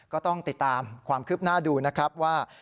ก็ต้องติดตามความคืบหน้าดูนะครับว่า